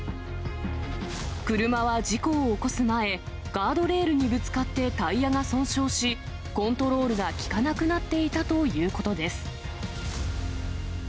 車は事故を起こす前、ガードレールにぶつかってタイヤが損傷し、コントロールが利かなくなっていたということです。